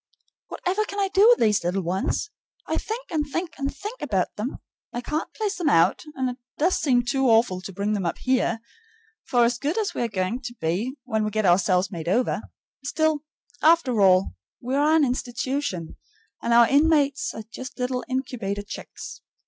Whatever can I do with these little ones? I think and think and think about them. I can't place them out, and it does seem too awful to bring them up here; for as good as we are going to be when we get ourselves made over, still, after all, we are an institution, and our inmates are just little incubator chicks.